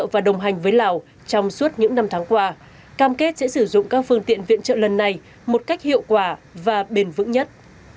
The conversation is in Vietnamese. và đồng hành với lào trong suốt những năm tháng qua cam kết sẽ sử dụng các phương tiện viện trợ lần này một cách hiệu quả và bền vững nhất